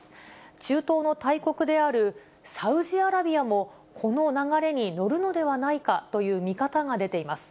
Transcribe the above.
中東の大国であるサウジアラビアもこの流れに乗るのではないかという見方が出ています。